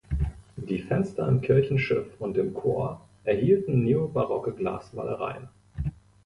Die Fenster im Kirchenschiff und im Chor erhielten neobarocke Glasmalereien.